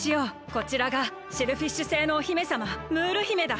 こちらがシェルフィッシュ星のお姫さまムール姫だ。